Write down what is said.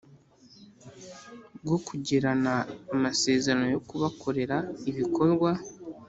Bwo kugirana amasezerano yo kubakorera ibikorwa